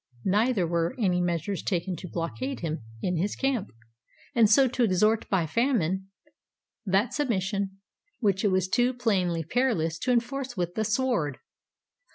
Neither were any measures taken to blockade him in his camp, and so to extort by famine that submission which it was too plainly perilous to enforce with the sword.